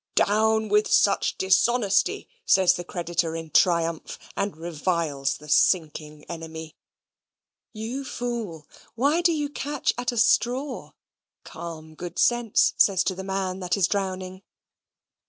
"Down with such dishonesty," says the creditor in triumph, and reviles his sinking enemy. "You fool, why do you catch at a straw?" calm good sense says to the man that is drowning.